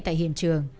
tại hiện trường